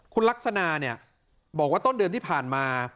คุณลักษณะเนี่ยบอกว่าต้นเดือนที่ผ่านมา